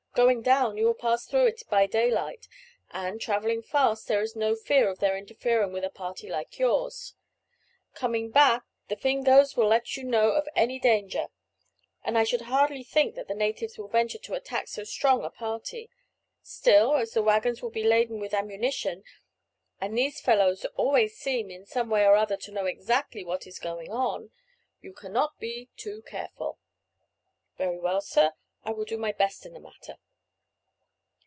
Going down you will pass through it by daylight; and, travelling fast, there is no fear of their interfering with a party like yours. Coming back the Fingoes will let you know of any danger, and I should hardly think that the natives will venture to attack so strong a party; still, as the waggons will be laden with ammunition, and these fellows always seem in some way or other to know exactly what is going on, you cannot be too careful." "Very well, sir. I will do my best in the matter."